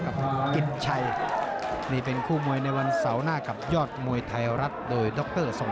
กลับมาพบกันใหม่ในวันเสาร์ที่๑๐กันยายน